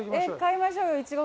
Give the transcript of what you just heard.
買いましょうよいちご。